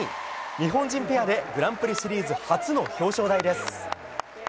日本人同士のペアでグランプリシリーズ初の表彰台です。